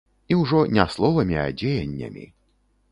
І ўжо не словамі, а дзеяннямі.